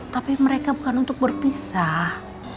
tapi mereka bukan untuk berpisah